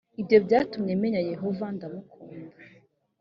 ibyo byatumye menya yehova ndamukunda .